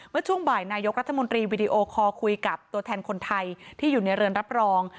ช่วงบ่ายนายกรัฐมนตรีวีดีโอคอลคุยกับตัวแทนคนไทยที่อยู่ในเรือนรับรอง